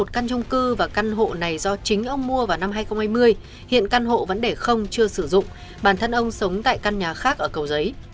căn hộ này do chính ông mua vào năm hai nghìn hai mươi hiện căn hộ vẫn để không chưa sử dụng bản thân ông sống tại căn nhà khác ở cầu giấy